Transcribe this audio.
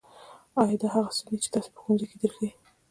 ایا دا هغه څه دي چې تاسو ته په ښوونځي کې درښیي